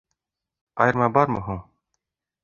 Айырма бармы һуң?